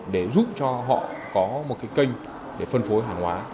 để giúp cho họ có một cái kênh để phân phối hàng hóa